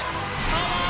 パワー